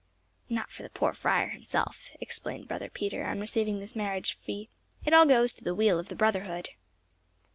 "Not for the poor friar himself," explained Brother Peter, on receiving this marriage fee; "it all goes to the weal of the brotherhood."